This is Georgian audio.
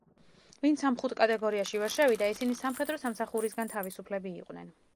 ვინც ამ ხუთ კატეგორიაში ვერ შევიდა, ისინი სამხედრო სამსახურისგან თავისუფლები იყვნენ.